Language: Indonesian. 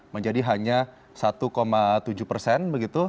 menjadi hanya satu tujuh persen